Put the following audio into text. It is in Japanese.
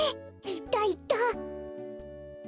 いったいった！